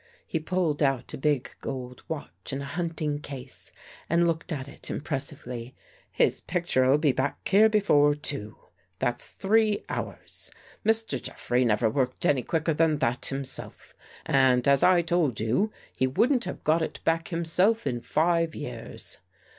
He pulled out a big gold watch in a hunting case and looked at it impress ively. " His picture'll be back here before two. That's three hours. Mr. Jeffrey never worked any 78 THE FACE UNDER THE PAINT quicker than that himself. And, as I told you, he wouldn't have got it back himself in five years."